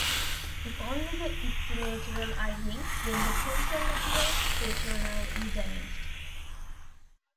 If only the ipsilateral eye blinks, then the contralateral facial nerve is damaged.